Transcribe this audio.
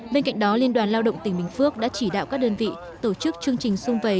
bên cạnh đó liên đoàn lao động tỉnh bình phước đã chỉ đạo các đơn vị tổ chức chương trình sung vầy